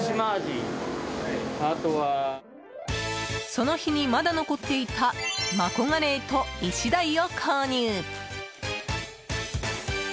その日にまだ残っていたマコガレイとイシダイを購入。